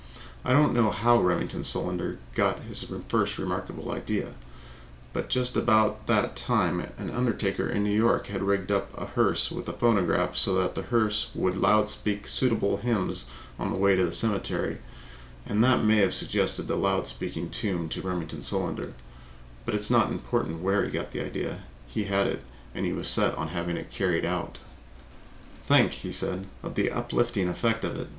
I don't know how Remington Solander first got his remarkable idea, but just about that time an undertaker in New York had rigged up a hearse with a phonograph so that the hearse would loud speak suitable hymns on the way to the cemetery, and that may have suggested the loud speaking tomb to Remington Solander, but it is not important where he got the idea. He had it, and he was set on having it carried out. "Think," he said, "of the uplifting effect of it!